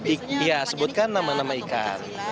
iya sebutkan nama nama ikan